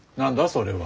それは。